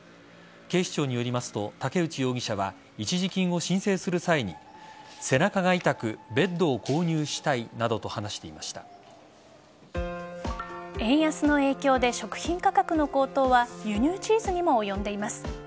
警視庁によりますと竹内容疑者は一時金を申請する際に背中が痛くベッドを購入したいなどと円安の影響で食品価格の高騰は輸入チーズにも及んでいます。